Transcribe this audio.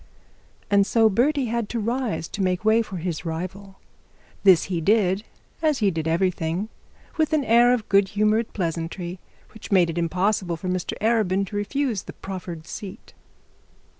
And so Bertie had to rise to make way for his rival. This he did, as he did everything, with an air of good humoured pleasantry, which made it impossible for Mr Arabin to refuse the proffered seat.